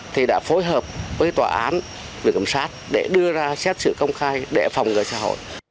thì đã phối hợp với tòa án với cầm sát để đưa ra xét xử công khai để phòng ngợi xã hội